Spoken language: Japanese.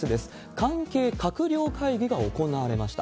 関係閣僚会議が行われました。